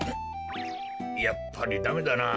やっぱりダメだなぁ。